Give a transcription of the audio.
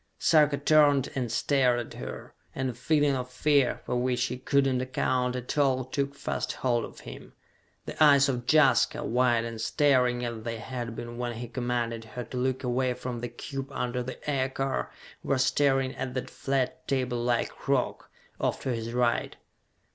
Sarka turned and stared at her, and a feeling of fear for which he could not account at all took fast hold of him. The eyes of Jaska, wide and staring as they had been when he commanded her to look away from the cube under the aircar, were staring at that flat, table like rock, off to his right.